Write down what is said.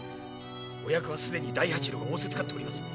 お役は既に大八郎が仰せつかっておりまする。